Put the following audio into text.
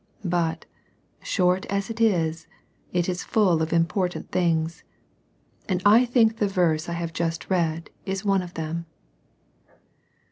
But, short as it is, it is full of important things, and I think the verse I have just read is one of them.